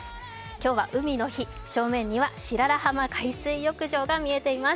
今日は海の日、正面には白良浜海水浴場が見えています。